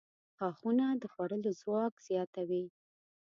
• غاښونه د خوړلو ځواک زیاتوي.